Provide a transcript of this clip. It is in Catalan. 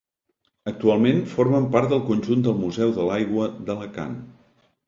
Actualment, formen part del conjunt del Museu de l'Aigua d'Alacant.